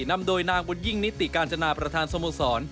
นำโดยนางบุญยิ่งนิติกาญจนาประธานสโมสร